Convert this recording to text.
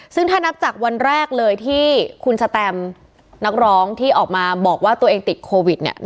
ซึ่งถ้านับจากวันแรกเลยที่คุณสแตมนักร้องที่ออกมาบอกว่าตัวเองติดโควิด